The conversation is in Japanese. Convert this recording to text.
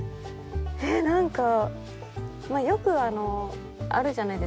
えっ何かよくあるじゃないですか。